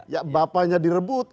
ya bapaknya direbut